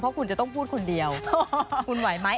เพราะคุณจะต้องพูดคนเดียวคุณไหวไหม